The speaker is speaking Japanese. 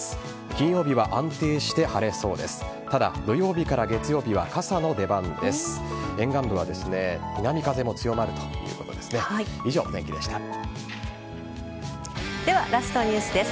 金曜日は安定して晴れそうです。